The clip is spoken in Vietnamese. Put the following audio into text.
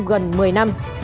phần một mươi năm